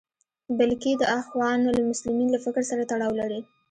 بلکې د اخوان المسلمین له فکر سره تړاو لري.